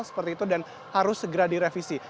seperti itu dan harus segera direvisi